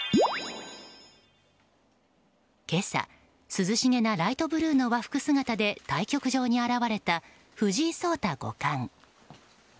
今朝、涼しげなライトブルーの和服姿で対局場に現れた藤井聡太五冠。